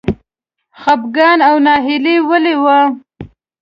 خپګان او ناهیلي ولې و؟